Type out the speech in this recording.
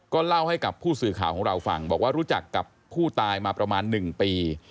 เล่าให้กับผู้สื่อข่าวของเราฟังบอกว่ารู้จักกับผู้ตายมาประมาณ๑ปี